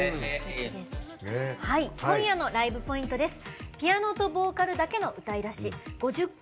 はい今夜のライブポイントです。